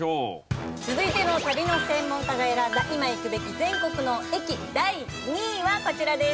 続いての旅の専門家が選んだ今行くべき全国の駅第２位はこちらです。